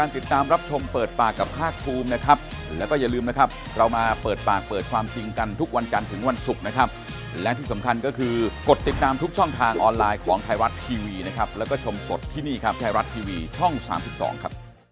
ที่นี่ครับแทรฟ์รัฐทีวีช่อง๓๒ครับ